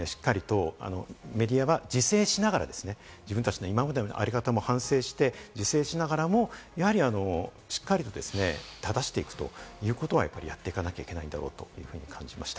これからしっかりとメディアは自制しながら、今までの在り方も反省して自制しながらもやはりしっかりと正していくということは、やっていかなきゃいけないんだろうと感じました。